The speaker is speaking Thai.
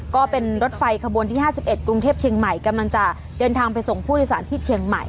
ก็เป็นรถไฟขบวนที่๕๑กรุงเทพเชียงใหม่กำลังจะเดินทางไปส่งผู้โดยสารที่เชียงใหม่